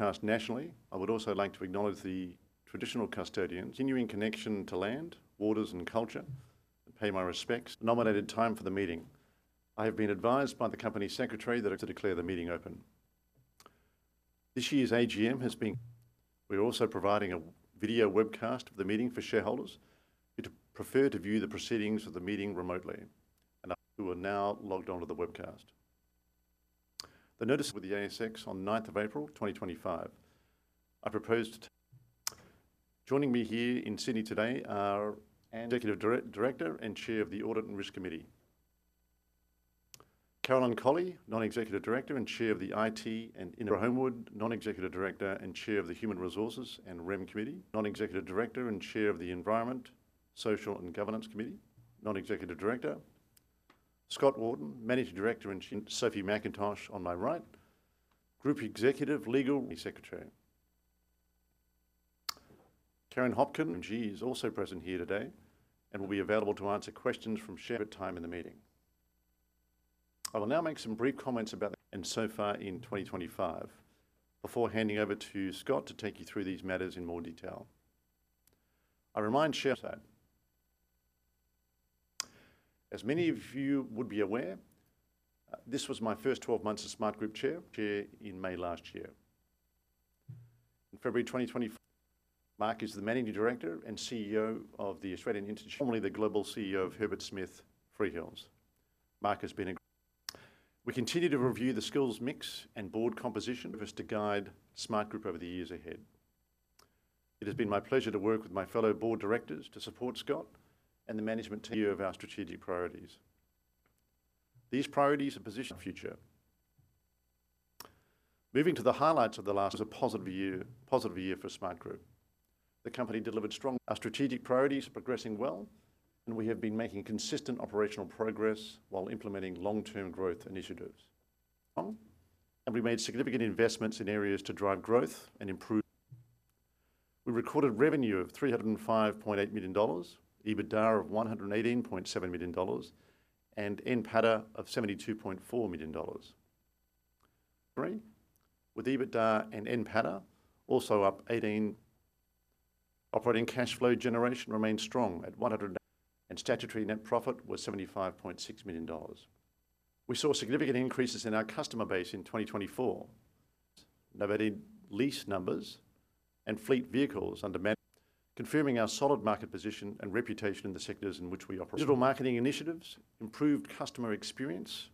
Broadcast nationally, I would also like to acknowledge the traditional custodians. Continuing connection to land, waters, and culture, I pay my respects. Nominated time for the meeting. I have been advised by the Company Secretary that I have to declare the meeting open. This year's AGM has been. We are also providing a video webcast of the meeting for shareholders. If you prefer to view the proceedings of the meeting remotely, and who are now logged onto the webcast. The notice with the ASX on 9th of April 2025. I propose to. Joining me here in Sydney today are Executive Director and Chair of the Audit and Risk Committee, Carolyn Colley, Non-Executive Director and Chair of the IT and. Deborah Homewood, Non-Executive Director and Chair of the Human Resources and Rem Committee. Non-Executive Director and Chair of the Environment, Social and Governance Committee. Non-Executive Director. Scott Wharton, Managing Director and. Sophie MacIntosh on my right. Group Executive Legal Secretary Karen Hopkins, she is also present here today and will be available to answer questions from shareholders at time in the meeting. I will now make some brief comments about. And so far in 2025, before handing over to Scott to take you through these matters in more detail. I remind. Website. As many of you would be aware, this was my first 12 months as Smartgroup Chair. Chair in May last year. In February 2024. Mark is the Managing Director and CEO of the Australian Institute. Formerly the Global CEO of Herbert Smith Freehills. Mark has been. We continue to review the skills mix and board composition. Universe to guide Smartgroup over the years ahead. It has been my pleasure to work with my fellow board directors to support Scott and the management. Year of our strategic priorities. These priorities are positioned. Future. Moving to the highlights of the last. Was a positive year for Smartgroup. The company delivered strong. Our strategic priorities are progressing well, and we have been making consistent operational progress while implementing long-term growth initiatives. We made significant investments in areas to drive growth and improve. We recorded revenue of 305.8 million dollars, EBITDA of 118.7 million dollars, and NPATA of 72.4 million dollars. With EBITDA and NPATA also up 18%. Operating cash flow generation remained strong at. Statutory net profit was AUD 75.6 million. We saw significant increases in our customer base in 2024. Novated lease numbers and fleet vehicles under. Confirming our solid market position and reputation in the sectors in which we operate. Digital marketing initiatives, improved customer experience,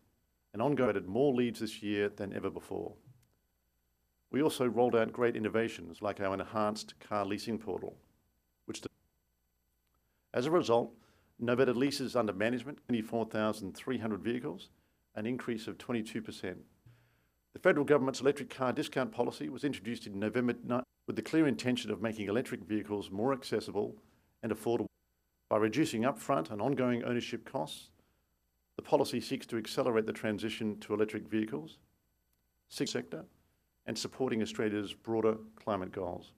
and ongoing. Added more leads this year than ever before. We also rolled out great innovations like our enhanced car leasing portal, which. As a result, novated leases under management: 24,300 vehicles, an increase of 22%. The federal government's electric car discount policy was introduced in November, with the clear intention of making electric vehicles more accessible and affordable by reducing upfront and ongoing ownership costs. The policy seeks to accelerate the transition to electric vehicles, supporting Australia's broader climate goals. Since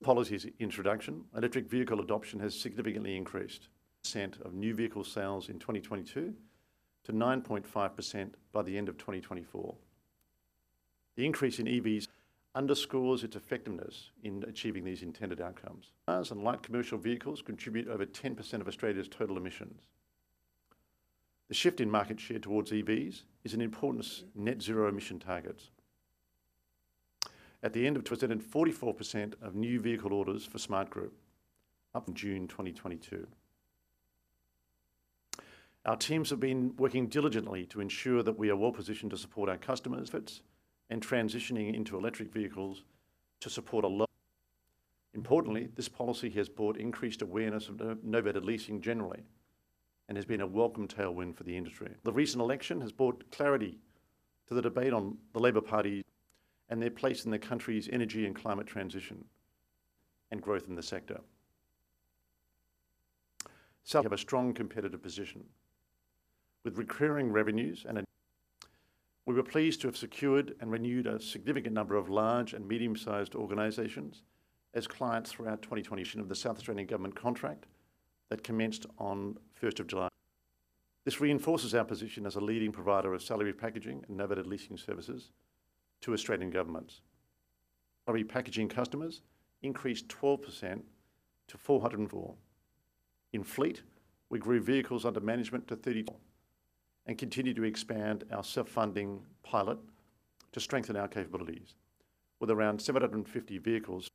the policy's introduction, electric vehicle adoption has significantly increased, from 2% of new vehicle sales in 2022 to 9.5% by the end of 2024. The increase in EV adoption underscores its effectiveness in achieving these intended outcomes. Light commercial vehicles contribute over 10% of Australia's total emissions. The shift in market share towards EVs is an important step toward net zero emission targets. At the end of June 2022, EVs represented 44% of new vehicle orders for Smartgroup, up from previous periods. Our teams have been working diligently to ensure that we are well positioned to support our customers. Transitioning into electric vehicles to support a. Importantly, this policy has brought increased awareness of Novated leasing generally and has been a welcome tailwind for the industry. The recent election has brought clarity to the debate on the Labour Party and their place in the country's energy and climate transition. Growth in the sector. Smartgroup have a strong competitive position with recurring revenues. We were pleased to have secured and renewed a significant number of large and medium-sized organizations as clients throughout of the South Australian Government contract that commenced on 1st of July. This reinforces our position as a leading provider of salary packaging and Novated leasing services to Australian governments. Salary packaging customers increased 12% to 404,000. In fleet, we grew vehicles under management to 32,000 and continue to expand our self-funding pilot to strengthen our capabilities with around 750 vehicles.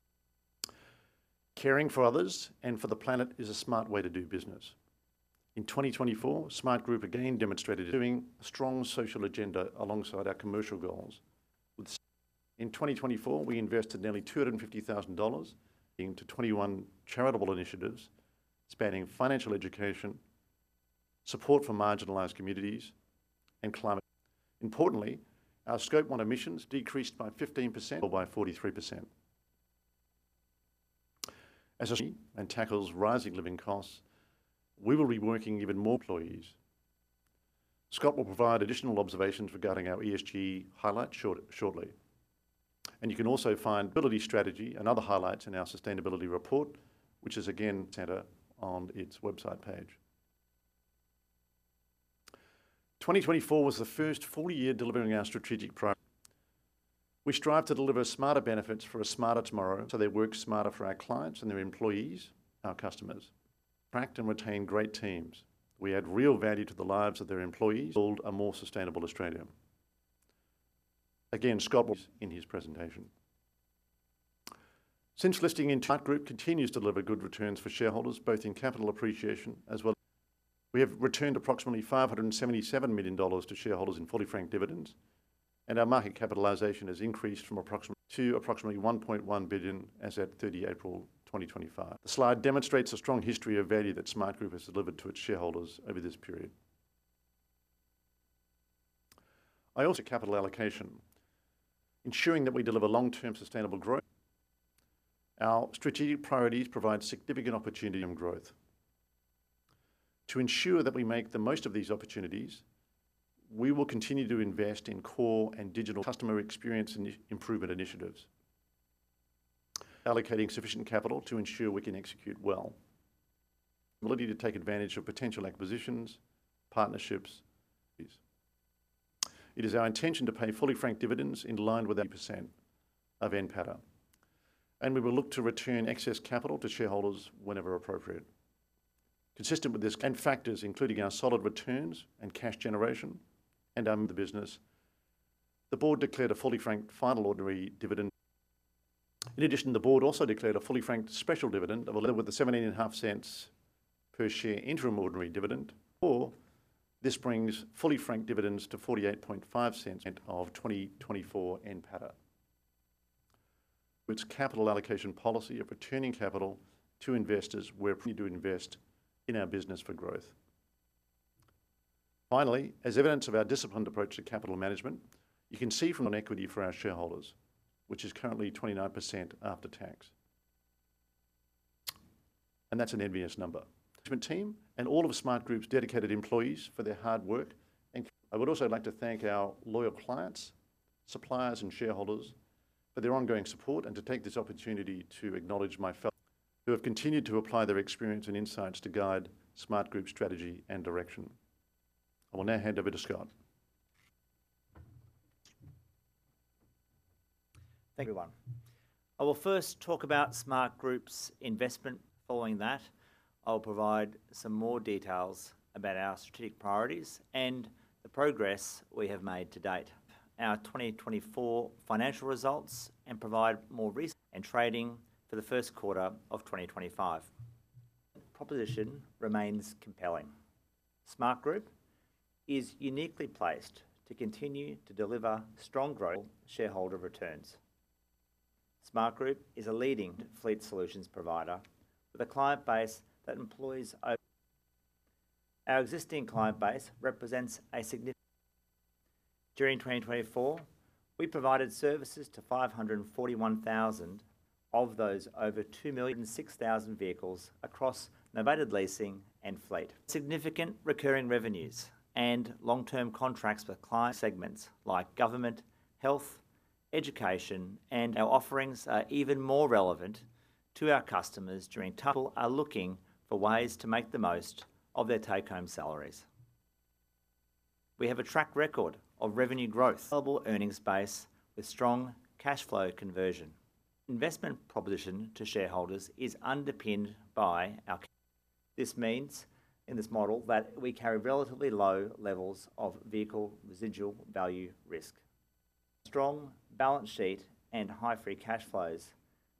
Caring for others and for the planet is a smart way to do business. In 2024, Smartgroup again demonstrated. Pursuing a strong social agenda alongside our commercial goals with. In 2024, we invested nearly 250,000 dollars into 21 charitable initiatives spanning financial education, support for marginalized communities, and climate. Importantly, our Scope 1 emissions decreased by 15%. By 43%. As. It tackles rising living costs, we will be working even more employees. Scott will provide additional observations regarding our ESG highlights shortly. You can also find mobility strategy and other highlights in our sustainability report, which is again center on its website page. 2024 was the first full year delivering our strategic. We strive to deliver smarter benefits for a smarter tomorrow so they work smarter for our clients and their employees, our customers. Tracked and retained great teams. We add real value to the lives of their employees. Build a more sustainable Australia. Again, Scott. In his presentation. Since listing, Smartgroup continues to deliver good returns for shareholders, both in capital appreciation as well. We have returned approximately 577 million dollars to shareholders in fully franked dividends, and our market capitalization has increased from. To approximately 1.1 billion as of 30 April 2025. The slide demonstrates a strong history of value that Smartgroup has delivered to its shareholders over this period. I also. Capital allocation, ensuring that we deliver long-term sustainable growth. Our strategic priorities provide significant opportunity and growth. To ensure that we make the most of these opportunities. We will continue to invest in core and digital customer experience and improvement initiatives. Allocating sufficient capital to ensure we can execute well. Ability to take advantage of potential acquisitions, partnerships. It is our intention to pay fully franked dividends in line with. Of NPATA. We will look to return excess capital to shareholders whenever appropriate. Consistent with this, and factors including our solid returns and cash generation and our business, the board declared a fully franked final ordinary dividend. In addition, the board also declared a fully franked special dividend of 0.1175 per share interim ordinary dividend. This brings fully franked dividends to 0.485 of 2024 NPATA. With its capital allocation policy of returning capital to investors where to invest in our business for growth. Finally, as evidence of our disciplined approach to capital management, you can see from equity for our shareholders, which is currently 29% after tax. That is an envious number. Management team and all of Smartgroup's dedicated employees for their hard work. I would also like to thank our loyal clients, suppliers, and shareholders for their ongoing support and to take this opportunity to acknowledge my. Who have continued to apply their experience and insights to guide Smartgroup's strategy and direction. I will now hand over to Scott. Thank you, everyone. I will first talk about Smartgroup's investment. Following that, I will provide some more details about our strategic priorities and the progress we have made to date. Our 2024 financial results and provide more. Trading for the first quarter of 2025. Proposition remains compelling. Smartgroup is uniquely placed to continue to deliver strong growth. Shareholder returns. Smartgroup is a leading fleet solutions provider with a client base that employs. Our existing client base represents a significant. During 2024, we provided services to 541,000 of those over 2,006,000 vehicles across Novated leasing and fleet. Significant recurring revenues and long-term contracts with client segments like government, health, education, and. Our offerings are even more relevant to our customers during time. People are looking for ways to make the most of their take-home salaries. We have a track record of revenue growth. Earnings base with strong cash flow conversion. Investment proposition to shareholders is underpinned by our. This means in this model that we carry relatively low levels of vehicle residual value risk. Strong balance sheet and high free cash flows.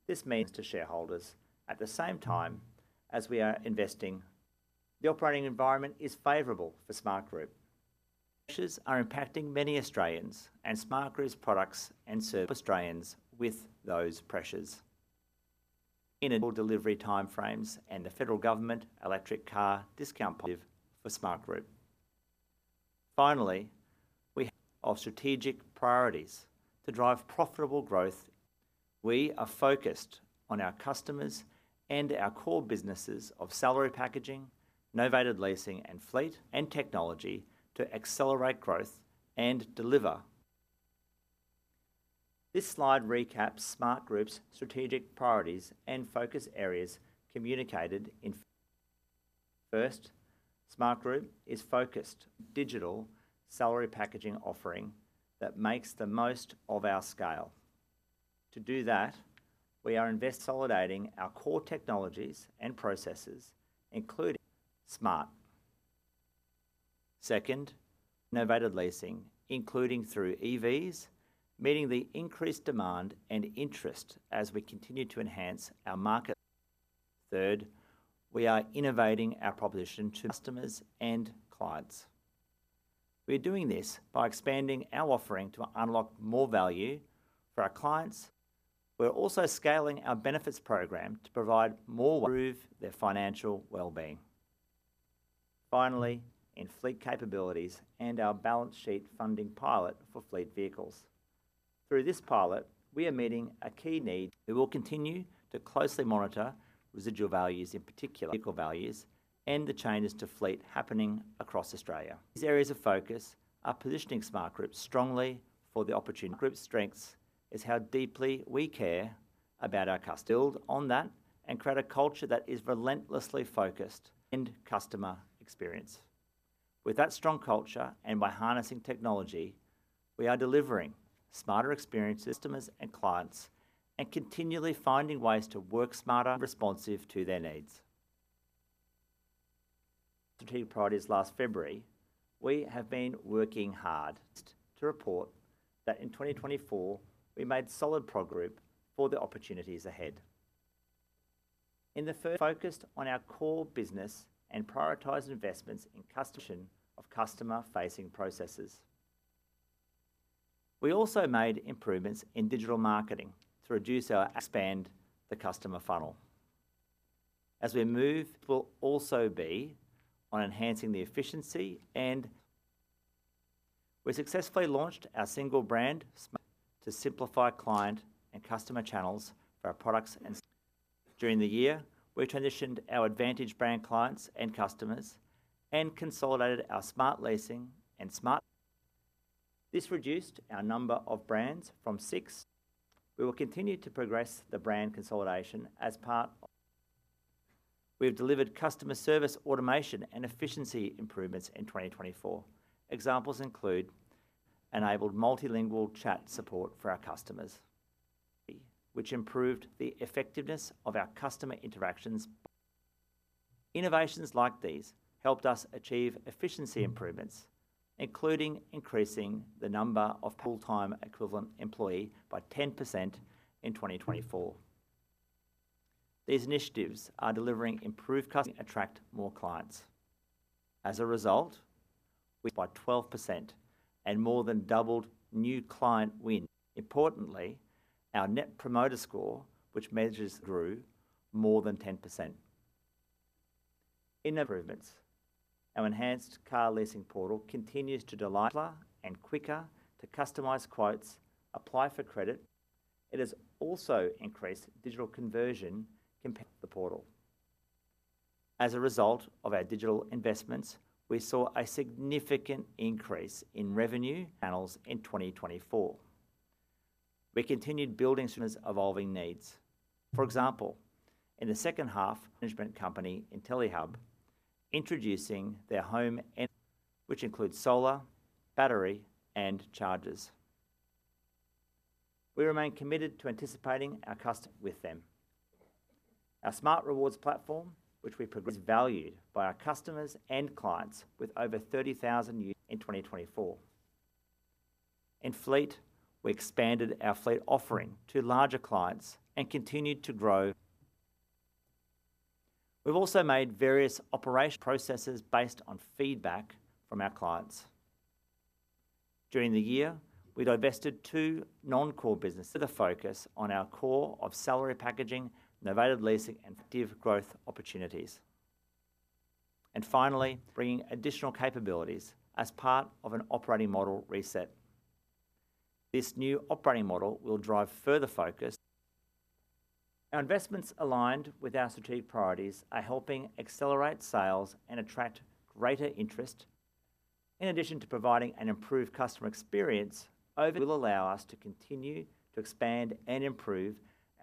This means to shareholders at the same time as we are investing. The operating environment is favorable for Smartgroup. Pressures are impacting many Australians and Smartgroup's products and serve Australians with those pressures. In delivery timeframes and the federal government electric car discount for Smartgroup. Finally, we of strategic priorities to drive profitable growth. We are focused on our customers and our core businesses of salary packaging, novated leasing and fleet. And technology to accelerate growth and deliver. This slide recaps Smartgroup's strategic priorities and focus areas communicated in. First, Smartgroup is focused. Digital salary packaging offering that makes the most of our scale. To do that, we are consolidating our core technologies and processes, including Smart. Second, novated leasing, including through EVs, meeting the increased demand and interest as we continue to enhance our market. Third, we are innovating our proposition to customers and clients. We are doing this by expanding our offering to unlock more value for our clients. We're also scaling our benefits program to provide more, improve their financial well-being. Finally, in fleet capabilities and our balance sheet funding pilot for fleet vehicles. Through this pilot, we are meeting a key need. We will continue to closely monitor residual values, in particular vehicle values and the changes to fleet happening across Australia. These areas of focus are positioning Smartgroup strongly for the opportunity. Smartgroup's strength is how deeply we care about our customers. Build on that and create a culture that is relentlessly focused. End customer experience. With that strong culture and by harnessing technology, we are delivering smarter experiences. Customers and clients are continually finding ways to work smarter and be responsive to their needs. Since our strategic priorities last February, we have been working hard to report that in 2024, we made solid progress as a group for the opportunities ahead. In the first, we focused on our core business and prioritized investments in customer-facing processes. We also made improvements in digital marketing to reduce our costs and expand the customer funnel. As we move forward, focus will also be on enhancing the efficiency and effectiveness of our operations. We successfully launched our single brand to simplify client and customer channels for our products and services. During the year, we transitioned our Advantage brand clients and customers and consolidated our Smartleasing and Smart brands. This reduced our number of brands from six. We will continue to progress the brand consolidation as part of our strategy. We have delivered customer service automation and efficiency improvements in 2024. Examples include enabled multilingual chat support for our customers, which improved the effectiveness of our customer interactions. Innovations like these helped us achieve efficiency improvements, including increasing the number of full-time equivalent employees by 10% in 2024. These initiatives are delivering improved attract more clients. As a result, we by 12% and more than doubled new client wins. Importantly, our net promoter score, which measures, grew more than 10%. In improvements, our enhanced car leasing portal continues to delight and quicker to customize quotes, apply for credit. It has also increased digital conversion compared to the portal. As a result of our digital investments, we saw a significant increase in revenue channels in 2024. We continued building evolving needs. For example, in the second half, management company Intellihub introducing their home, which includes solar, battery, and chargers. We remain committed to anticipating our customers with them. Our smart rewards platform, which is valued by our customers and clients with over 30,000. In 2024, in fleet, we expanded our fleet offering to larger clients and continued to grow. We have also made various operational processes based on feedback from our clients. During the year, we divested two non-core businesses to further focus on our core of salary packaging, novated leasing, and active growth opportunities. Finally, bringing additional capabilities as part of an operating model reset. This new operating model will drive further focus. Our investments aligned with our strategic priorities are helping accelerate sales and attract greater interest. In addition to providing an improved customer experience, it will allow us to continue to expand and improve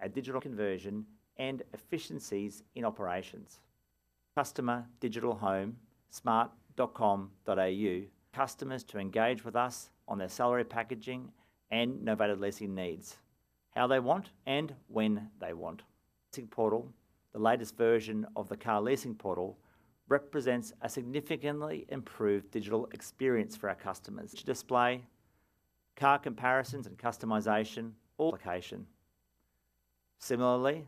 our digital conversion and efficiencies in operations. Customer digitalhome, smart.com.au. Customers to engage with us on their salary packaging and novated leasing needs, how they want and when they want. Portal, the latest version of the car leasing portal, represents a significantly improved digital experience for our customers. Display, car comparisons and customization, all application. Similarly,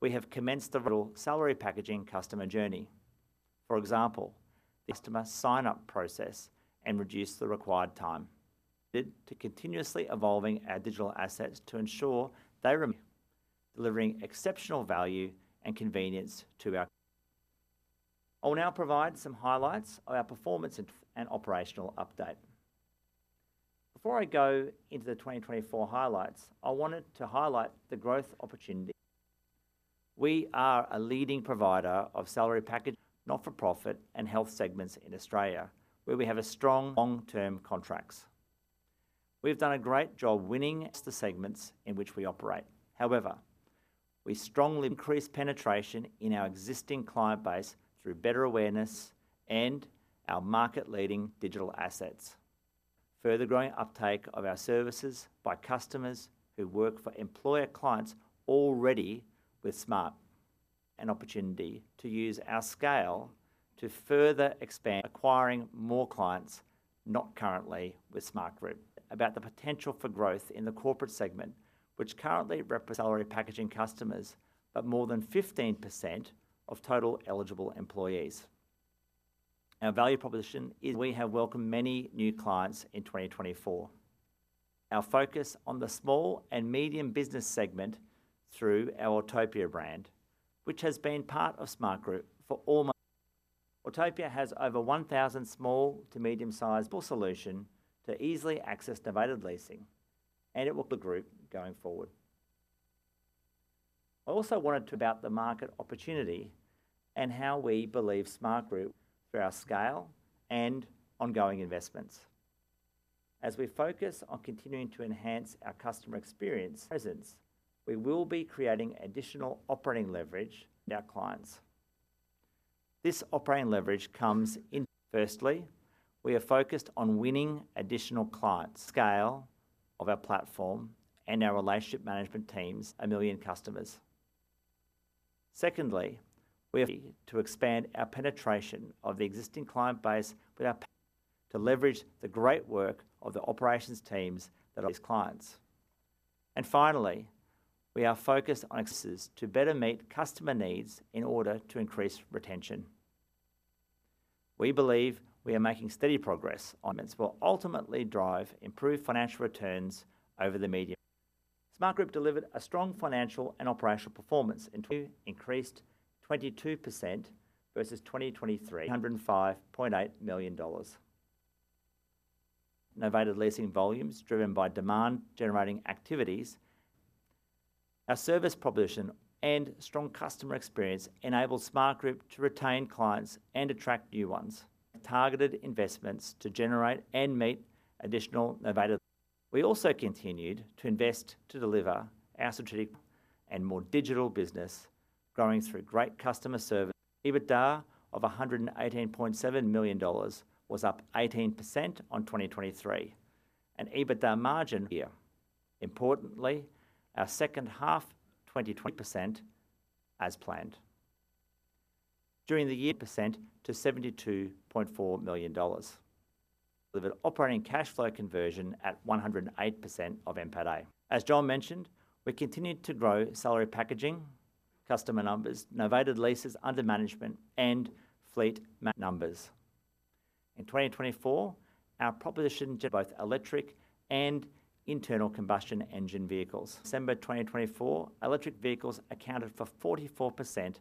we have commenced the salary packaging customer journey. For example, the customer sign-up process and reduce the required time. To continuously evolving our digital assets to ensure they remain delivering exceptional value and convenience to our. I will now provide some highlights of our performance and operational update. Before I go into the 2024 highlights, I wanted to highlight the growth opportunity. We are a leading provider of salary packaging, not-for-profit and health segments in Australia, where we have a strong long-term contracts. We have done a great job winning the segments in which we operate. However, we strongly increase penetration in our existing client base through better awareness and our market-leading digital assets. Further growing uptake of our services by customers who work for employer clients already with Smartgroup. An opportunity to use our scale to further expand acquiring more clients not currently with Smartgroup. About the potential for growth in the corporate segment, which currently represents salary packaging customers, but more than 15% of total eligible employees. Our value proposition is. We have welcomed many new clients in 2024. Our focus on the small and medium business segment through our Autopia brand, which has been part of Smartgroup for almost. Autopia has over 1,000 small to medium-sized solutions to easily access Novated leasing, and it will. Group going forward. I also wanted to talk about the market opportunity and how we believe Smartgroup through our scale and ongoing investments. As we focus on continuing to enhance our customer experience presence, we will be creating additional operating leverage for our clients. This operating leverage comes. Firstly, we are focused on winning additional clients. Scale of our platform and our relationship management teams. A million customers. Secondly, we to expand our penetration of the existing client base with our. To leverage the great work of the operations teams that these clients. And finally, we are focused on to better meet customer needs in order to increase retention. We believe we are making steady progress on will ultimately drive improved financial returns over the median. Smartgroup delivered a strong financial and operational performance in increased 22% versus 2023. 105.8 million dollars. Novated leasing volumes driven by demand-generating activities. Our service proposition and strong customer experience enabled Smartgroup to retain clients and attract new ones. Targeted investments to generate and meet additional Novated. We also continued to invest to deliver our strategic and more digital business, growing through great customer service. EBITDA of 118.7 million dollars was up 18% on 2023, and EBITDA margin. Year. Importantly, our second half 2020. 28% as planned. During the. To 72.4 million dollars. Delivered operating cash flow conversion at 108% of NPATA. As John mentioned, we continued to grow salary packaging, customer numbers, Novated leases under management, and fleet numbers. In 2024, our proposition. Both electric and internal combustion engine vehicles. December 2024, electric vehicles accounted for 44%,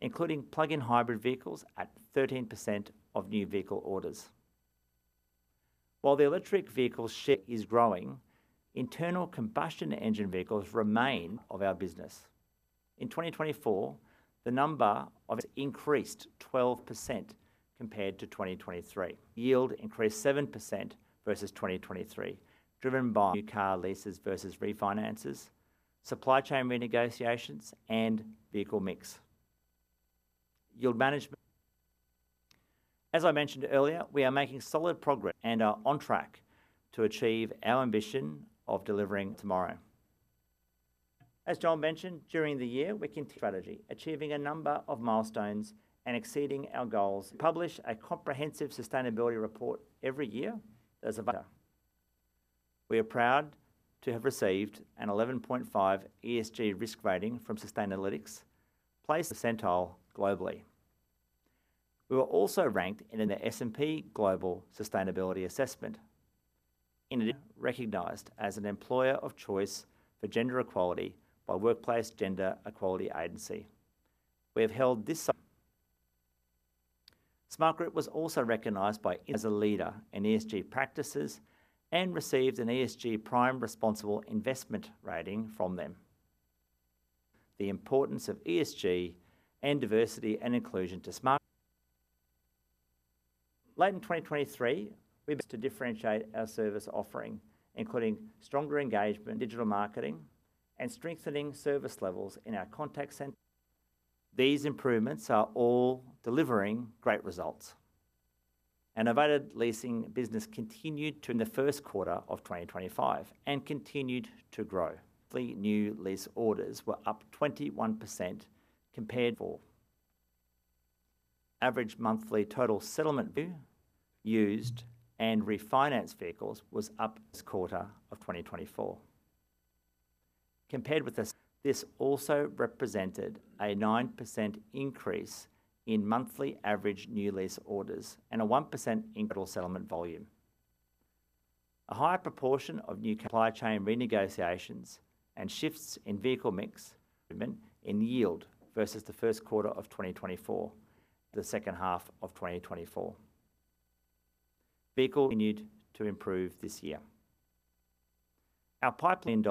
including plug-in hybrid vehicles at 13% of new vehicle orders. While the electric vehicle share is growing, internal combustion engine vehicles remain. Of our business. In 2024, the number of increased 12% compared to 2023. Yield increased 7% versus 2023, driven by new car leases versus refinances, supply chain renegotiations, and vehicle mix. Yield management. As I mentioned earlier, we are making solid progress and are on track to achieve our ambition of delivering tomorrow. As John mentioned, during the year, we strategy, achieving a number of milestones and exceeding our goals. Publish a comprehensive sustainability report every year that is available. We are proud to have received an 11.5 ESG risk rating from Sustainalytics, places percentile globally. We were also ranked in the S&P Global Sustainability Assessment. In. Recognized as an employer of choice for gender equality by Workplace Gender Equality Agency. We have held this. Smartgroup was also recognized by. As a leader in ESG practices and received an ESG Prime Responsible Investment rating from them. The importance of ESG and diversity and inclusion to Smart. Late in 2023, we to differentiate our service offering, including stronger engagement, digital marketing, and strengthening service levels in our contact center. These improvements are all delivering great results. Novated leasing business continued to in the first quarter of 2025 and continued to grow. New lease orders were up 21% compared to 2024. Average monthly total settlement used and refinanced vehicles was up. Quarter of 2024. Compared with. This also represented a 9% increase in monthly average new lease orders and a 1% increase in total settlement volume. A higher proportion of new. Supply chain renegotiations and shifts in vehicle mix. Improvement in yield versus the first quarter of 2024. The second half of 2024. Vehicle. Continued to improve this year. Our pipeline.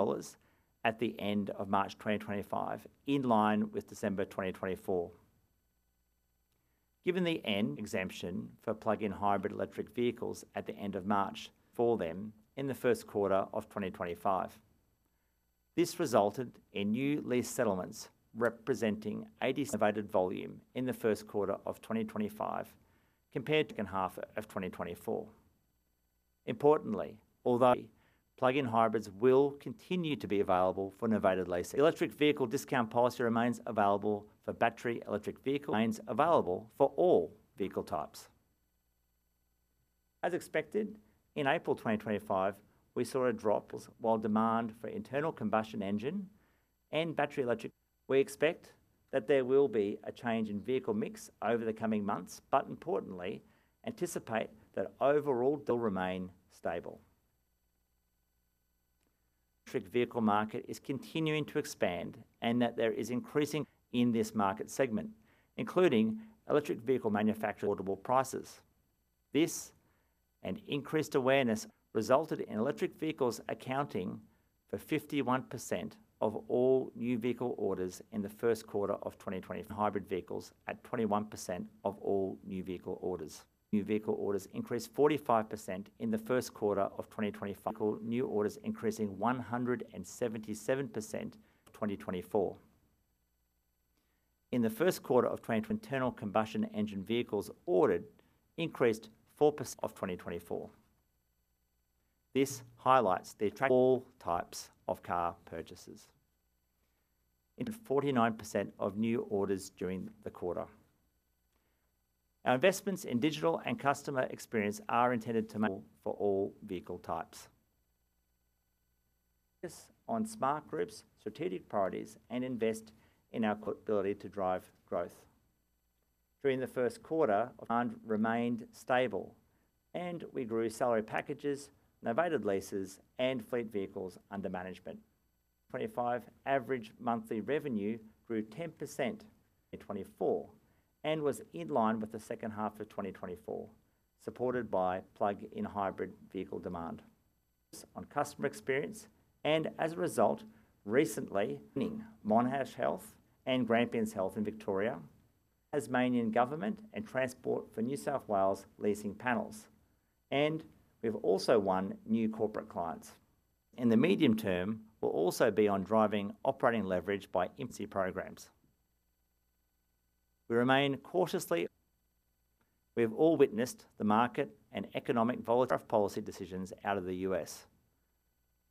At the end of March 2025, in line with December 2024. Given the end. Exemption for plug-in hybrid electric vehicles at the end of March. For them in the first quarter of 2025. This resulted in new lease settlements representing 80% Novated volume in the first quarter of 2025 compared to the second half of 2024. Importantly, although plug-in hybrids will continue to be available for novated, electric vehicle discount policy remains available for battery electric vehicles. Remains available for all vehicle types. As expected, in April 2025, we saw a drop. While demand for internal combustion engine and battery electric, we expect that there will be a change in vehicle mix over the coming months, but importantly, anticipate that overall remain stable. Electric vehicle market is continuing to expand and that there is increasing in this market segment, including electric vehicle manufacturers' affordable prices. This and increased awareness resulted in electric vehicles accounting for 51% of all new vehicle orders in the first quarter of 2024. Hybrid vehicles at 21% of all new vehicle orders. New vehicle orders increased 45% in the first quarter of 2025. New orders increasing 177%. 2024. In the first quarter of 2024, internal combustion engine vehicles ordered increased 4%. This highlights all types of car purchases. In 2024, 49% of new orders during the quarter. Our investments in digital and customer experience are intended for all vehicle types. Focus on Smartgroup's strategic priorities and invest in our ability to drive growth. During the first quarter of 2024, demand remained stable and we grew salary packages, Novated leases, and fleet vehicles under management. 2025 average monthly revenue grew 10% in 2024 and was in line with the second half of 2024, supported by plug-in hybrid vehicle demand. On customer experience and as a result, recently Monash Health and Grampians Health in Victoria, Tasmanian Government and Transport for New South Wales leasing panels, and we have also won new corporate clients. In the medium term, we'll also be on driving operating leverage by programs. We remain cautiously. We have all witnessed the market and economic volatility of policy decisions out of the U.S.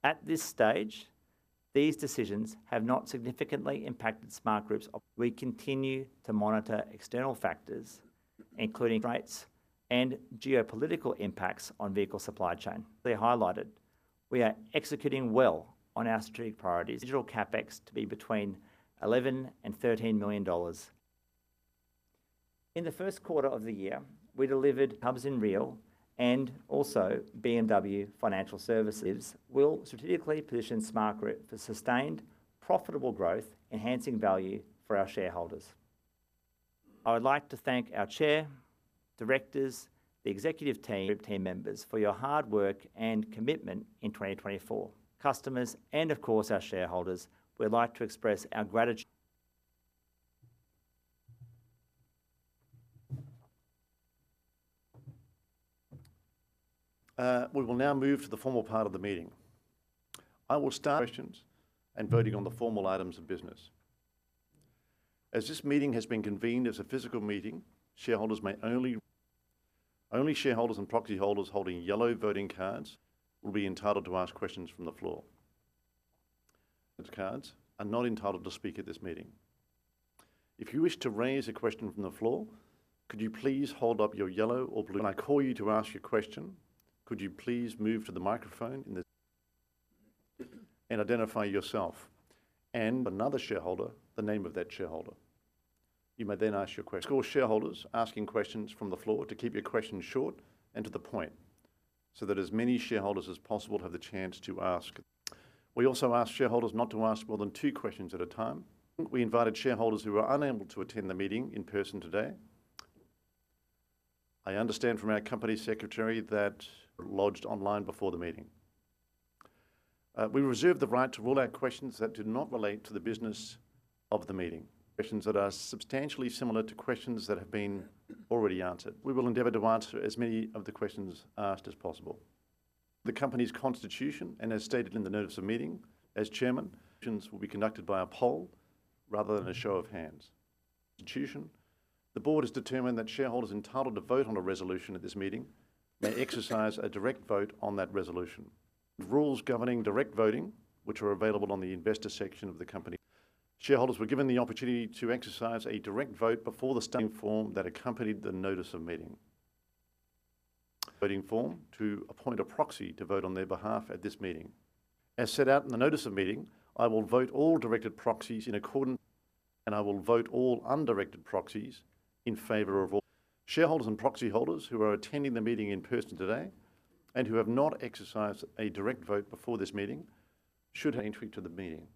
At this stage, these decisions have not significantly impacted Smartgroup's. We continue to monitor external factors, including rates and geopolitical impacts on vehicle supply chain. Highlighted, we are executing well on our strategic priorities. Digital CapEx to be between 11 million-13 million dollars. In the first quarter of the year, we delivered Hub's Enreal and also BMW Financial Services. Will strategically position Smartgroup for sustained profitable growth, enhancing value for our shareholders. I would like to thank our Chair, directors, the executive team, team members for your hard work and commitment in 2024. Customers and, of course, our shareholders, we'd like to express our gratitude. We will now move to the formal part of the meeting. I will start. Questions and voting on the formal items of business. As this meeting has been convened as a physical meeting, shareholders may only. Only shareholders and proxy holders holding yellow voting cards will be entitled to ask questions from the floor. Cards are not entitled to speak at this meeting. If you wish to raise a question from the floor, could you please hold up your yellow or blue. I call you to ask your question, could you please move to the microphone in the. And identify yourself and another shareholder, the name of that shareholder. You may then ask your. School shareholders asking questions from the floor to keep your questions short and to the point so that as many shareholders as possible have the chance to ask. We also ask shareholders not to ask more than two questions at a time. We invited shareholders who were unable to attend the meeting in person today. I understand from our company secretary that lodged online before the meeting. We reserve the right to rule out questions that do not relate to the business of the meeting. Questions that are substantially similar to questions that have been already answered. We will endeavor to answer as many of the questions asked as possible. The company's constitution and as stated in the notice of meeting, as Chairman, will be conducted by a poll rather than a show of hands. Constitution, the board has determined that shareholders entitled to vote on a resolution at this meeting may exercise a direct vote on that resolution. Rules governing direct voting, which are available on the investor section of the company. Shareholders were given the opportunity to exercise a direct vote before the standing form that accompanied the notice of meeting. Standing voting form to appoint a proxy to vote on their behalf at this meeting. As set out in the notice of meeting, I will vote all directed proxies in accordance. I will vote all undirected proxies in favor of all. Shareholders and proxy holders who are attending the meeting in person today and who have not exercised a direct vote before this meeting should. Entry to the meeting.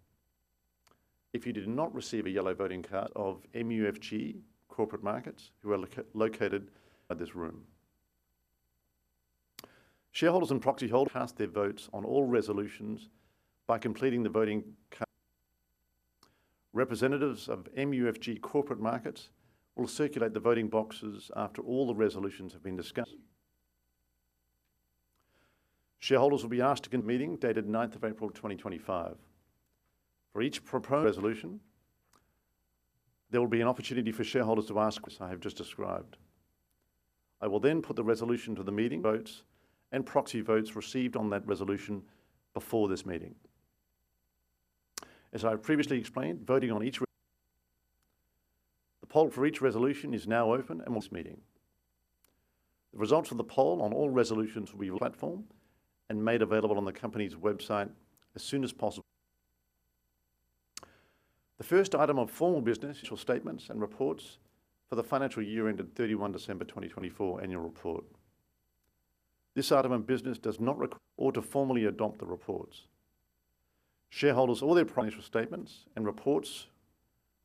If you did not receive a yellow voting card. Of MUFG Corporate Markets who are located by this room. Shareholders and proxy holders cast their votes on all resolutions by completing the voting. Representatives of MUFG Corporate Markets will circulate the voting boxes after all the resolutions have been discussed. Shareholders will be asked to complete the meeting dated 9th of April 2025. For each proposed resolution, there will be an opportunity for shareholders to ask questions as I have just described. I will then put the resolution to the meeting. Votes and proxy votes received on that resolution before this meeting. As I have previously explained, voting on each. The poll for each resolution is now open and will be held at this meeting. The results of the poll on all resolutions will be available on the platform and made available on the company's website as soon as possible. The first item of formal business. Statements and reports for the financial year ended 31 December 2024 annual report. This item of business does not require. Or to formally adopt the reports. Shareholders or their financial statements and reports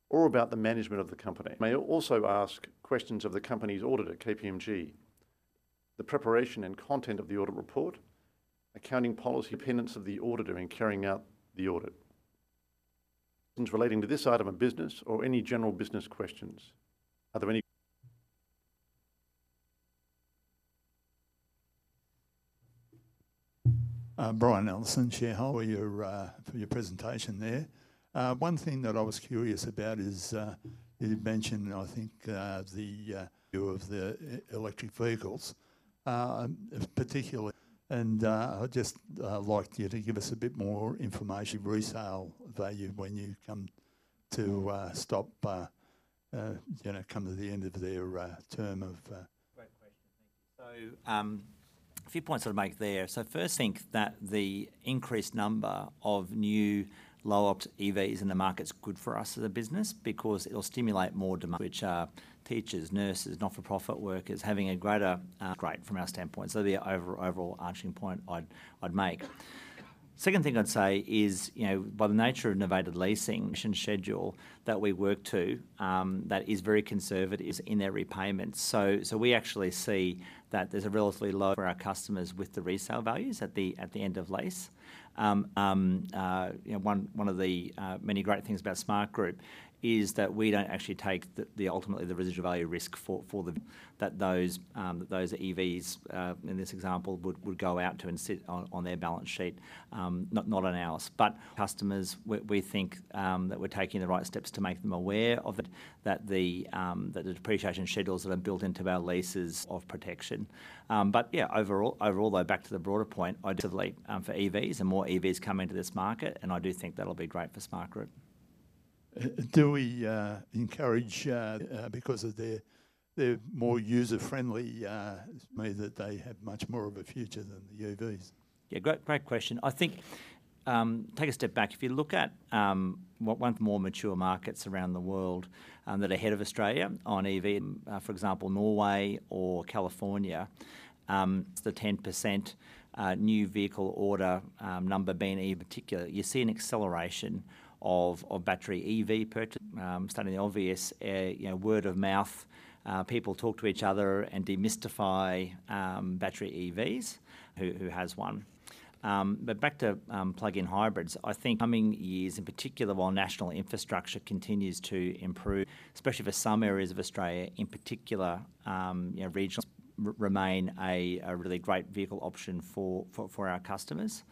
or about the management of the company. May also ask questions of the company's auditor, KPMG. The preparation and content of the audit report, accounting policy, independence of the auditor in carrying out the audit. Questions relating to this item of business or any general business questions. Are there any. Brian Ellison, shareholder, for your presentation there. One thing that I was curious about is you mentioned, I think, the. Of the electric vehicles, particularly. And I'd just like you to give us a bit more information. Resale value when you come to stop, you know, come to the end of their term of. Great question. Thank you. A few points I'd make there. First, I think that the increased number of new low-op EVs in the market is good for us as a business because it'll stimulate more. Which are teachers, nurses, not-for-profit workers, having a greater. Great from our standpoint. That'd be an overall answering point I'd make. Second thing I'd say is, you know, by the nature of novated leasing, the schedule that we work to is very conservative in their repayments. We actually see that there's a relatively low risk for our customers with the resale values at the end of lease. You know, one of the many great things about Smartgroup is that we don't actually take ultimately the residual value risk for that. Those EVs in this example would go out to and sit on their balance sheet, not on ours. Customers, we think that we're taking the right steps to make them aware of the depreciation schedules that are built into our leases as a form of protection. Yeah, overall, though, back to the broader point, for EVs, as more EVs come into this market, I do think that'll be great for Smartgroup. We do encourage that because of their more user-friendly nature. Me that they have much more of a future than the EVs? Yeah, great question. I think. Take a step back. If you look at what one of the more mature markets around the world that are ahead of Australia on EV. For example, Norway or California. The 10% new vehicle order number being. Particular, you see an acceleration of battery EV purchases. Stating the obvious, word of mouth, people talk to each other and demystify battery EVs. Who has one. Back to plug-in hybrids, I think coming years, in particular, while national infrastructure continues to improve. Especially for some areas of Australia, in particular, regional. Remain a really great vehicle option for our customers.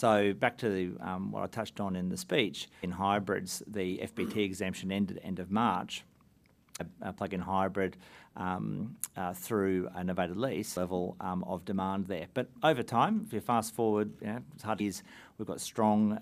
Back to what I touched on in the speech. Hybrids, the FBT exemption ended at the end of March. A plug-in hybrid through a Novated lease. Level of demand there. Over time, if you fast forward, it's hard. We've got strong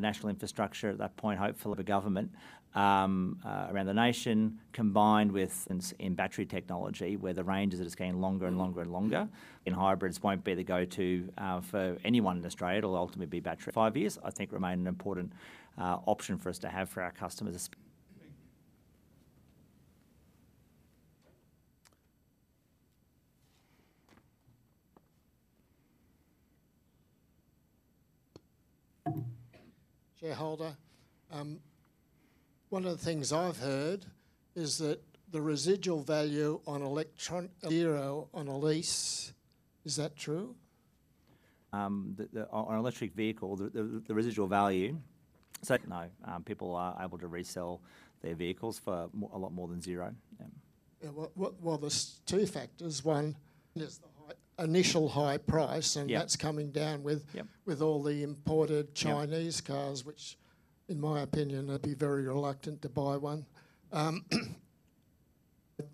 national infrastructure at that point, hopefully government around the nation combined with battery technology, where the range is getting longer and longer and longer. Hybrids won't be the go-to for anyone in Australia. It'll ultimately be five years, I think, remain an important option for us to have for our customers. Shareholder, one of the things I've heard is that the residual value on zero on a lease. Is that true? On electric vehicles, the residual value. No, people are able to resell their vehicles for a lot more than zero. There are two factors. One is the initial high price, and that's coming down with all the imported Chinese cars, which in my opinion, I'd be very reluctant to buy one.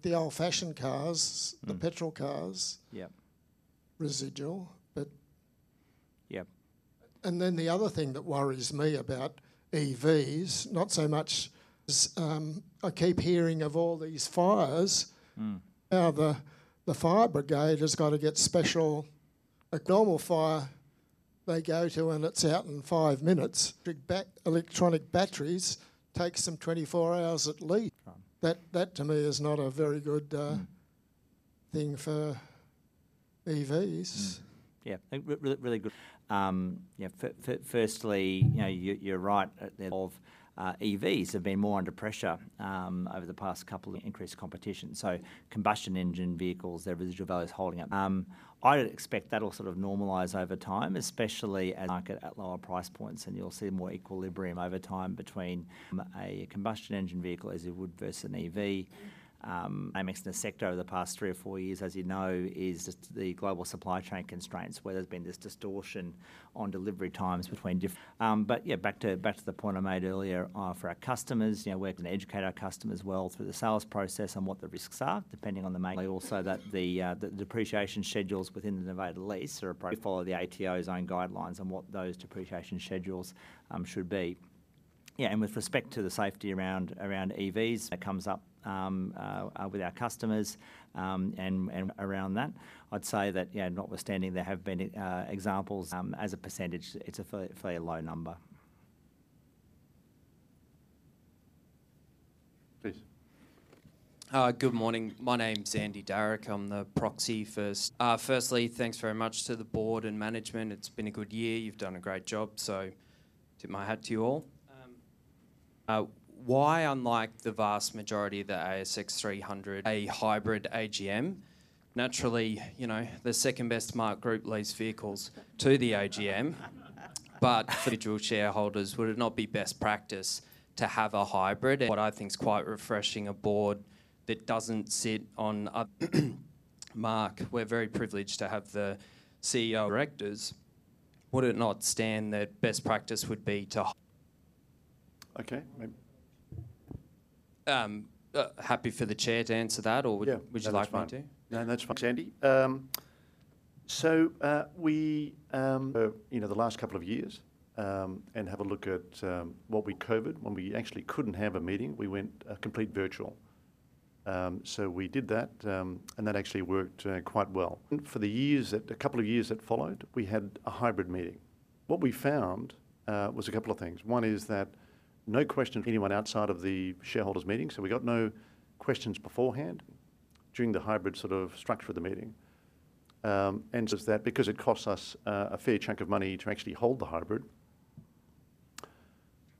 The old-fashioned cars, the petrol cars. Residual, but. The other thing that worries me about EVs, not so much, is I keep hearing of all these fires, how the fire brigade has got to get special. Normal fire, they go to and it is out in five minutes. Electronic batteries take some 24 hours at least. That, to me, is not a very good thing for EVs. Yeah, really good. Firstly, you are right. EVs have been more under pressure over the past couple. Increased competition. Combustion engine vehicles, their residual value is holding up. I would expect that will sort of normalize over time, especially. Market at lower price points, and you will see more equilibrium over time between a combustion engine vehicle as you would versus an EV. Dynamics in the sector over the past three or four years, as you know, is just the global supply chain constraints where there's been this distortion on delivery times between. Yeah, back to the point I made earlier for our customers, we're going to educate our customers well through the sales process on what the risks are, depending on the. Also that the depreciation schedules within the Novated lease are appropriately followed by the ATO's own guidelines on what those depreciation schedules should be. Yeah, and with respect to the safety around EVs. Comes up with our customers and. Around that. I'd say that, yeah, notwithstanding, there have been examples. As a percentage, it's a fairly low number. Please. Good morning. My name's Andy Darrock. I'm the proxy. Firstly, thanks very much to the board and management. It's been a good year. You've done a great job, so tip my hat to you all. Why, unlike the vast majority of the ASX 300, a hybrid AGM? Naturally, the second-best market group leases vehicles to the AGM, but for individual shareholders, would it not be best practice to have a hybrid? What I think is quite refreshing, a board that doesn't sit on. Mark, we're very privileged to have the CEO. Directors, would it not stand that best practice would be to. Okay. Happy for the Chair to answer that, or would you like me to? No, that's fine, Andy. So we. The last couple of years and have a look at what we. COVID, when we actually couldn't have a meeting, we went complete virtual. We did that, and that actually worked quite well. For the years, a couple of years that followed, we had a hybrid meeting. What we found was a couple of things. One is that no questions for anyone outside of the shareholders' meeting. So we got no questions beforehand during the hybrid sort of structure of the meeting. That is because it costs us a fair chunk of money to actually hold the hybrid,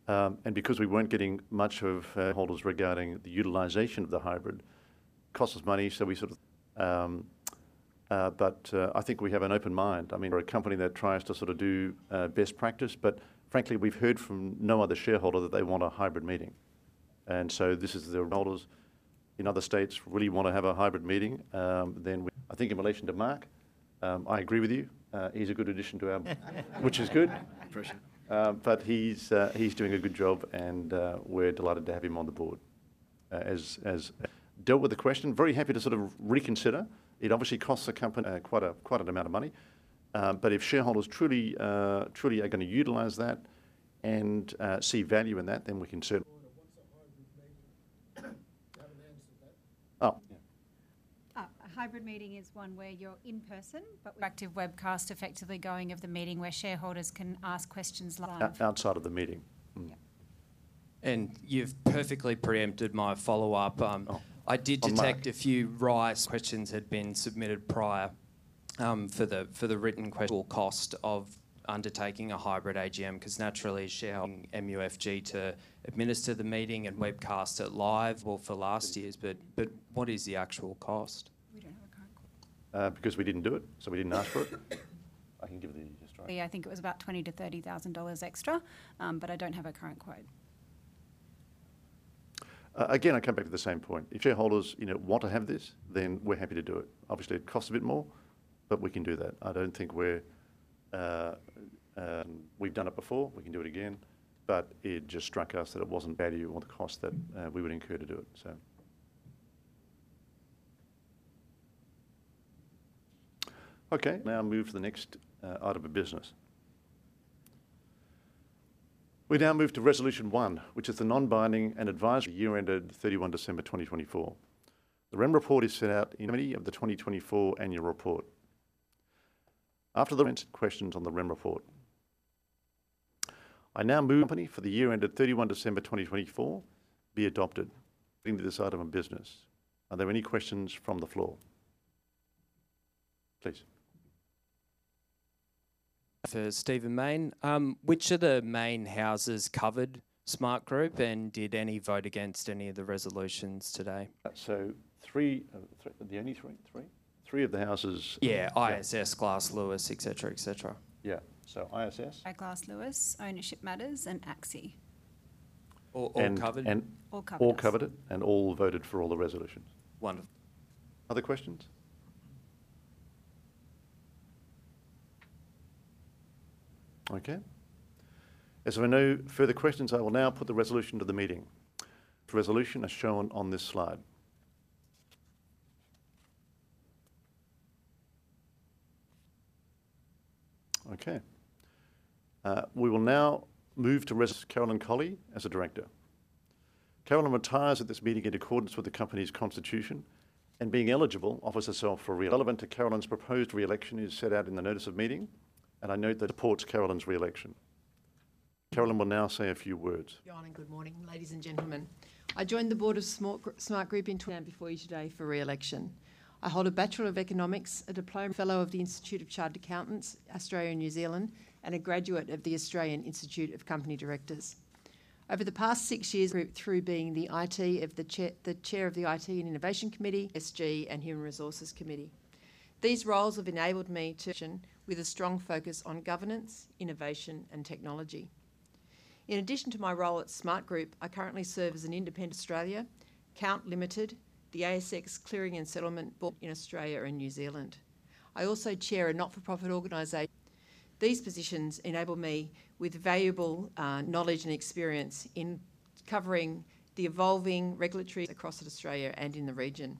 and because we were not getting much of holders regarding the utilization of the hybrid, it cost us money. I think we have an open mind. I mean, we are a company that tries to sort of do best practice, but frankly, we have heard from no other shareholder that they want a hybrid meeting. This is the situation. If holders in other states really want to have a hybrid meeting, then we would consider it. I think in relation to Mark, I agree with you. He is a good addition to our board, which is good. He's doing a good job, and we're delighted to have him on the board. As dealt with the question. Very happy to sort of reconsider. It obviously costs the company quite an amount of money. If shareholders truly are going to utilize that and see value in that, then we can. On a hybrid meeting? You haven't answered that. Oh, yeah. A hybrid meeting is one where you're in person, but active webcast effectively going of the meeting where shareholders can ask questions. Outside of the meeting. You've perfectly preempted my follow-up. I did detect a few raised questions had been submitted prior for the written questions. Cost of undertaking a hybrid AGM? Because naturally. MUFG to administer the meeting and webcast it live. For last year's, but what is the actual cost? We don't have a current. Because we didn't do it, so we didn't ask for it. I can give the. I think it was about 20,000-30,000 dollars extra, but I don't have a current quote. Again, I come back to the same point. If shareholders want to have this, then we're happy to do it. Obviously, it costs a bit more, but we can do that. I don't think we're. We've done it before. We can do it again. It just struck us that it wasn't value or the cost that we would incur to do it, so. Okay. Now move to the next item of business. We now move to resolution one, which is the non-binding and advisory year-ended 31 December 2024. The Rem report is set out in the 2024 annual report. After the. Questions on the Rem report. I now move for the year-ended 31 December 2024 be adopted. This item of business. Are there any questions from the floor? Please. For Stephen Main. Which of the main houses covered Smartgroup, and did any vote against any of the resolutions today? So the only three? Three? Three of the houses. Yeah, ISS, Glass Lewis, etc., etc. Yeah. So ISS Glass Lewis, Ownership Matters, and ACSI. All covered? All covered. And all voted for all the resolutions. Wonderful. Other questions? Okay. As there are no further questions, I will now put the resolution to the meeting. Resolution as shown on this slide. Okay. We will now move to Carolyn Colley as a director. Carolyn retires at this meeting in accordance with the company's constitution and being eligible offers herself for re-election. Relevant to Carolyn's proposed re-election is set out in the notice of meeting, and I note that it supports Carolyn's re-election. Carolyn will now say a few words. Good morning, ladies and gentlemen. I joined the board of Smartgroup in. Now before you today for re-election. I hold a Bachelor of Economics, a Diploma Fellow of the Institute of Chartered Accountants, Australia and New Zealand, and a graduate of the Australian Institute of Company Directors. Over the past six years. Group through being the IT of the Chair of the IT and Innovation Committee, SG, and Human Resources Committee. These roles have enabled me to. With a strong focus on governance, innovation, and technology. In addition to my role at Smartgroup, I currently serve as an independent. Australia, Count Limited, the ASX Clearing and Settlement. In Australia and New Zealand. I also chair a not-for-profit organisation. These positions enable me with valuable knowledge and experience in covering the evolving regulatory across Australia and in the region.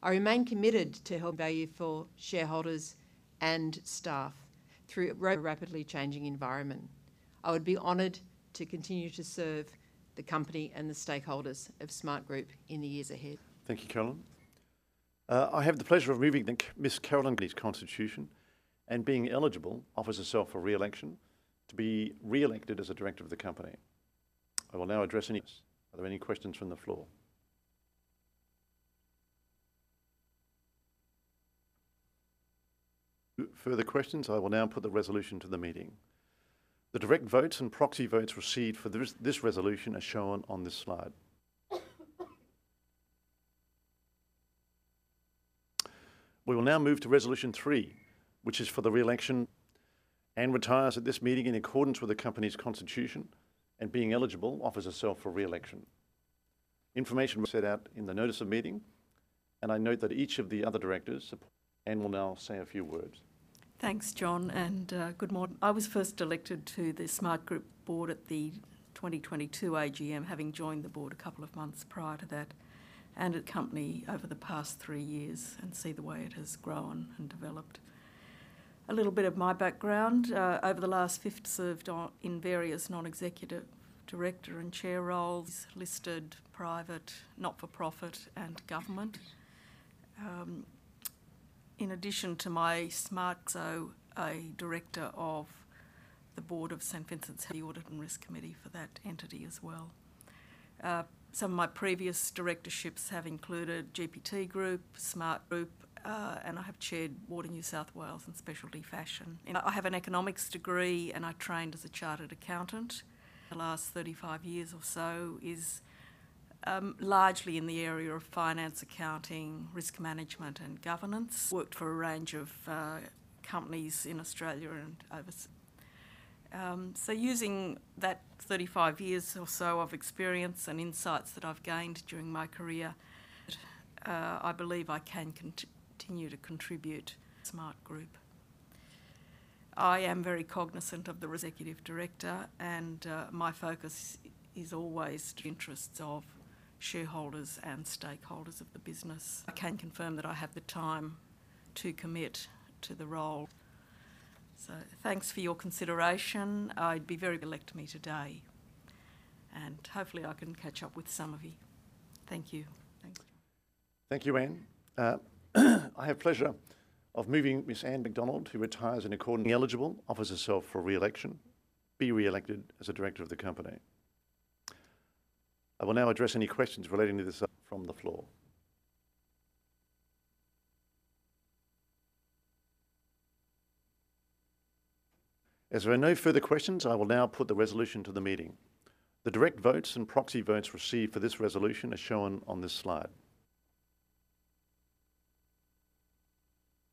I remain committed to helping value for shareholders and staff through a rapidly changing environment. I would be honored to continue to serve the company and the stakeholders of Smartgroup in the years ahead. Thank you, Carolyn. I have the pleasure of reviewing Ms. Carolyn's constitution and being eligible. Offers herself for re-election to be re-elected as a director of the company. I will now address. Are there any questions from the floor? Further questions. I will now put the resolution to the meeting. The direct votes and proxy votes received for this resolution as shown on this slide. We will now move to resolution three, which is for the re-election. And retires at this meeting in accordance with the company's constitution and being eligible offers herself for re-election. Information. Set out in the notice of meeting, and I note that each of the other directors. I will now say a few words. Thanks, John, and good morning. I was first elected to the Smartgroup board at the 2022 AGM, having joined the board a couple of months prior to that. I have seen the company over the past three years and see the way it has grown and developed. A little bit of my background. Over the last fifteen years, I have served in various non-executive director and chair roles, listed, private, not-for-profit, and government. In addition to my Smartgroup role, I am also a director of the board of St. Vincent's Health and Audit and Risk Committee for that entity as well. Some of my previous directorships have included GPT Group, Smartgroup, and I have chaired Water New South Wales and Specialty Fashion. I have an economics degree, and I trained as a chartered accountant. The last 35 years or so is largely in the area of finance, accounting, risk management, and governance. Worked for a range of companies in Australia and overseas. Using that 35 years or so of experience and insights that I've gained during my career, I believe I can continue to contribute. Smartgroup. I am very cognizant of the Executive Director, and my focus is always interests of shareholders and stakeholders of the business. I can confirm that I have the time to commit to the role. Thanks for your consideration. I'd be very reluctant to meet today, and hopefully I can catch up with some of you. Thank you. Thank you. Thank you, Anne. I have pleasure of moving Ms. Anne McDonald, who retires in accordance. Eligible, offers herself for re-election, be re-elected as a director of the company. I will now address any questions relating to this from the floor. As there are no further questions, I will now put the resolution to the meeting. The direct votes and proxy votes received for this resolution are shown on this slide.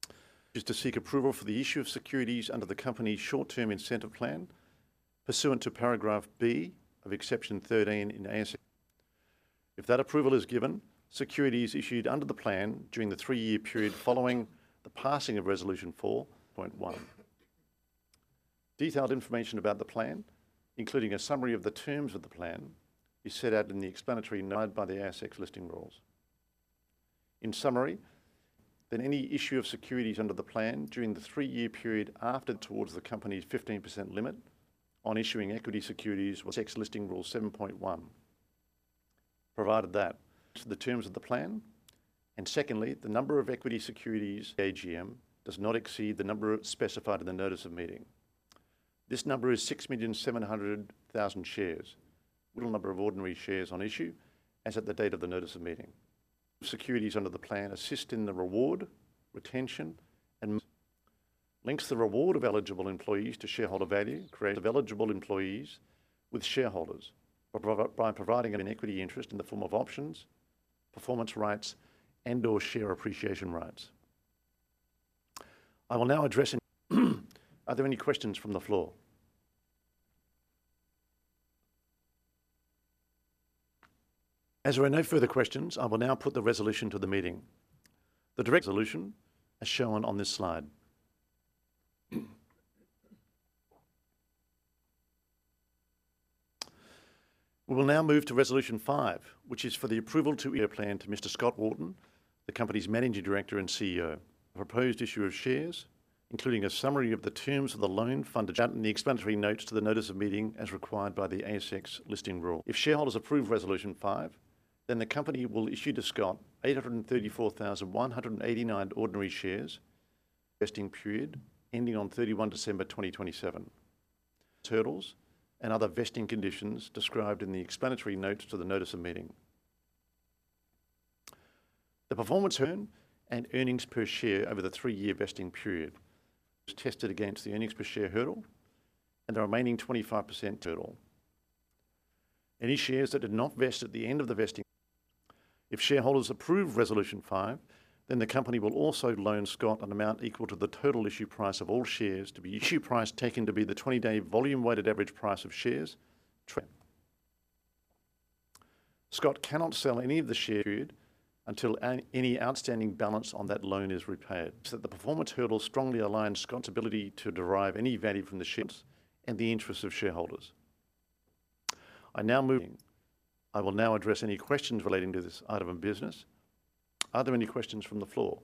It is to seek approval for the issue of securities under the company's short-term incentive plan pursuant to paragraph B of exception 13 in the ASX. If that approval is given, securities issued under the plan during the three-year period following the passing of resolution four.1. Detailed information about the plan, including a summary of the terms of the plan, is set out in the explanatory note by the ASX listing rules. In summary, any issue of securities under the plan during the three-year period counts towards the company's 15% limit on issuing equity securities under ASX listing rule 7.1, provided that. The terms of the plan, and secondly, the number of equity securities AGM does not exceed the number specified in the notice of meeting. This number is 6,700,000 shares. Number of ordinary shares on issue as at the date of the notice of meeting. Securities under the plan assist in the reward, retention, and links the reward of eligible employees to shareholder value, create eligible employees with shareholders by providing an equity interest in the form of options, performance rights, and/or share appreciation rights. I will now address. Are there any questions from the floor? As there are no further questions, I will now put the resolution to the meeting. The direct resolution as shown on this slide. We will now move to resolution five, which is for the approval to plan to Mr. Scott Wharton, the company's Managing Director and CEO. Proposed issue of shares, including a summary of the terms of the loan funded in the explanatory notes to the notice of meeting as required by the ASX listing rule. If shareholders approve resolution five, the company will issue to Scott 834,189 ordinary shares. Vesting period ending on 31 December 2027. Hurdles and other vesting conditions described in the explanatory notes to the notice of meeting. The performance, return, and earnings per share over the three-year vesting period was tested against the earnings per share hurdle and the remaining 25% hurdle. Any shares that did not vest at the end of the vesting. If shareholders approve resolution five, the company will also loan Scott an amount equal to the total issue price of all shares to be issue price taken to be the 20-day volume-weighted average price of shares. Anne. Scott cannot sell any of the shares until any outstanding balance on that loan is repaid. That the performance hurdle strongly aligns Scott's ability to derive any value from the shares and the interests of shareholders. I now move. I will now address any questions relating to this item of business. Are there any questions from the floor?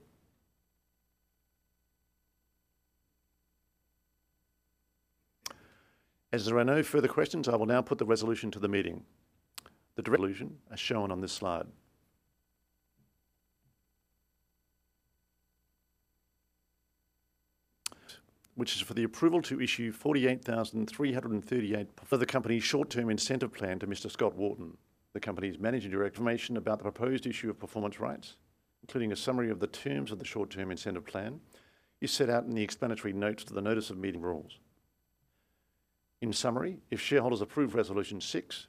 As there are no further questions, I will now put the resolution to the meeting. The resolution as shown on this slide, which is for the approval to issue 48,338 for the company's short-term incentive plan to Mr. Scott Wharton, the company's Managing Director. Information about the proposed issue of performance rights, including a summary of the terms of the short-term incentive plan, is set out in the explanatory notes to the notice of meeting rules. In summary, if shareholders approve resolution six,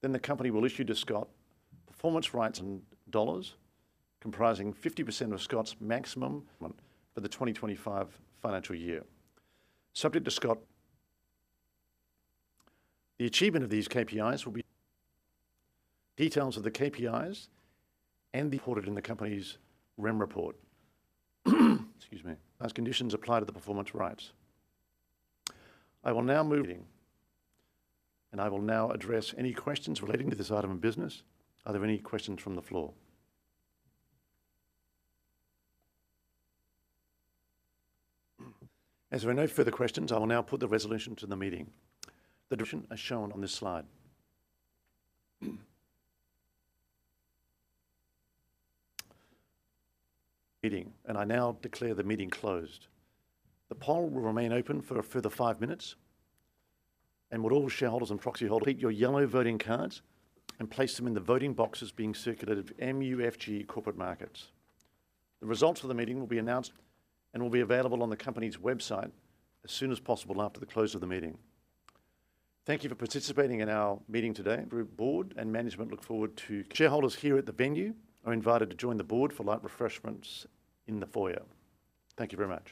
then the company will issue to Scott performance rights in dollars comprising 50% of Scott's maximum for the 2025 financial year. Subject to Scott. The achievement of these KPIs will be details of the KPIs and the reported in the company's Rem report. Excuse me. Conditions apply to the performance rights. I will now move to the meeting, and I will now address any questions relating to this item of business. Are there any questions from the floor? As there are no further questions, I will now put the resolution to the meeting. The resolution as shown on this slide. Meeting, and I now declare the meeting closed. The poll will remain open for a further five minutes and will all shareholders and proxy holders complete your yellow voting cards and place them in the voting boxes being circulated of MUFG Corporate Markets. The results of the meeting will be announced and will be available on the company's website as soon as possible after the close of the meeting. Thank you for participating in our meeting today. Board and management look forward to. Shareholders here at the venue are invited to join the board for light refreshments in the foyer. Thank you very much.